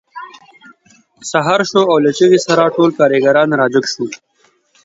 سهار شو او له چیغې سره ټول کارګران راجګ شول